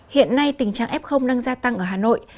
hiện nay tình trạng f đang gia tăng ở hà nội